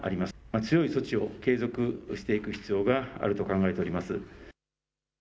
強い措置を継続していく必要があると考えております。